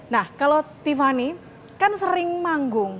nah kalau tiffany kan sering manggung